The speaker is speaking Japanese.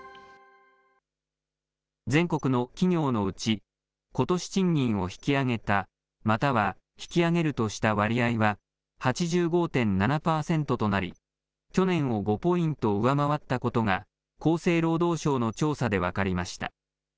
全国の企業のうち、ことし賃金を引き上げた、または、引き上げるとした割合は８５．７％となり、去年を５ポイント上回ったことが、厚生労働省の調査で分かりました。